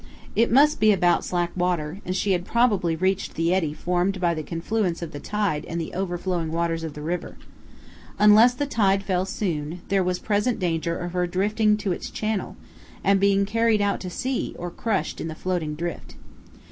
It must be about slack water, and she had probably reached the eddy formed by the confluence of the tide and the overflowing waters of the river. Unless the tide fell soon, there was present danger of her drifting to its channel, and being carried out to sea or crushed in the floating drift.